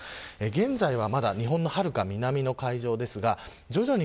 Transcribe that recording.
現在は、まだ日本のはるか南の海上ですが、徐々に